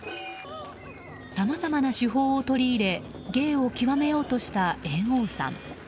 さまざまな手法を取り入れ芸を極めようとした猿翁さん。